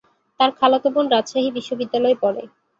তার খালাতো বোন রাজশাহী বিশ্বনিদ্যালয়ে পড়ে।